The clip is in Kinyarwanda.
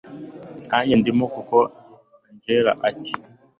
nanjye ndimo koko angella ati